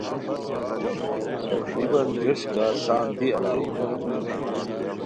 تقریباً جوش گز سان دی الائے